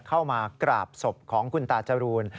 เข้ามากราบศพของคุณตาจรูน